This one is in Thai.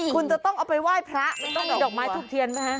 คุณจะต้องเอาไปไหว้พระมันต้องมีดอกไม้ทูบเทียนไหมฮะ